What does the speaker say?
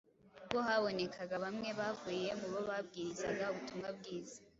ubwo habonekaga bamwe bavuye mu bo babwirizaga ubutumwa bwiza.